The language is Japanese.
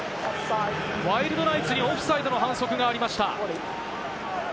ワイルドナイツにオフサイドの反則がありました。